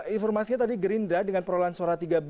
informasinya tadi gerindra dengan perolahan suara tiga belas